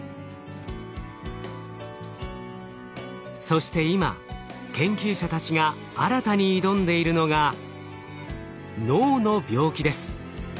そして今研究者たちが新たに挑んでいるのが脳の病気です。